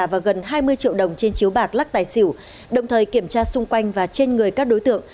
và gần hai mươi triệu đồng trên chiếu bạc lắc tài xỉu đồng thời kiểm tra xung quanh và trên người các đối tượng